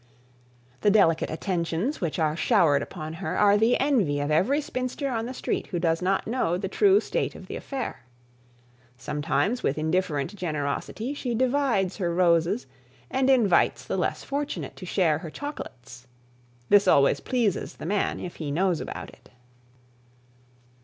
The delicate attentions which are showered upon her are the envy of every spinster on the street who does not know the true state of the affair. Sometimes, with indifferent generosity, she divides her roses and invites the less fortunate to share her chocolates. This always pleases the man, if he knows about it.